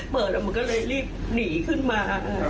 เปิดแล้วมันก็เลยรีบหนีขึ้นมา